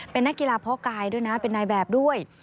เป็นนักกีฬาเพาะกายด้วยนะเป็นนายแบบด้วย